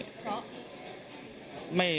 เพราะ